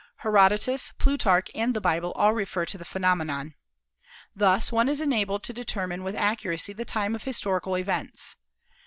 Herodotus, Plutarch and the Bible all refer to the phenomenon. Thus one is enabled to determine with accuracy the time of historical events.